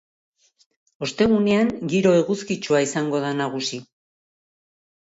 Ostegunean, giro eguzkitsua izango da nagusi.